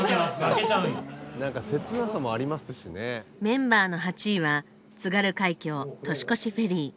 メンバーの８位は「津軽海峡年越しフェリー」。